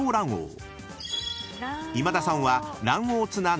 ［今田さんは］